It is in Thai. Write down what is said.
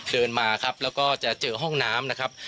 เดินมาครับแล้วก็จะเจอห้องน้ำนะครับ